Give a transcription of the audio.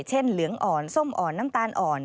เหลืองอ่อนส้มอ่อนน้ำตาลอ่อน